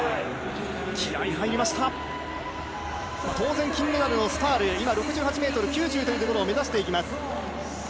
当然金メダルのスタール、６８ｍ９０を目指していきます。